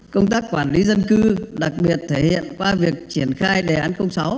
công tác quản lý dân cư đặc biệt thể hiện qua việc triển khai đề án sáu